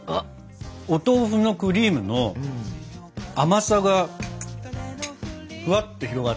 お豆腐のクリームの甘さがふわっと広がって。